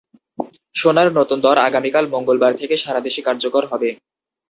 সোনার নতুন দর আগামীকাল মঙ্গলবার থেকে সারা দেশে কার্যকর হবে।